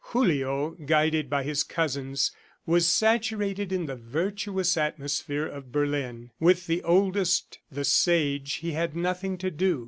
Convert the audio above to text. Julio, guided by his cousins, was saturated in the virtuous atmosphere of Berlin. With the oldest, "The Sage," he had nothing to do.